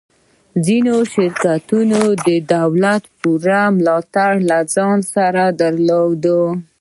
ځینو شرکتونو د دولت پوره ملاتړ له ځان سره درلود